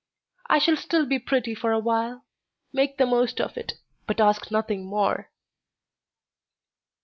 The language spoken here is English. I shall still be pretty for a while; make the most of it, but ask nothing more."